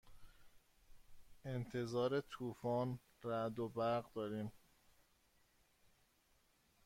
انتظار طوفان رعد و برق داریم.